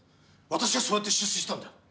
私はそうやって出世したんだ。